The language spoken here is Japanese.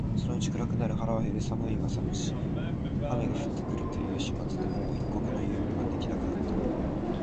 そのうちに暗くなる、腹は減る、寒さは寒し、雨が降って来るという始末でもう一刻の猶予が出来なくなった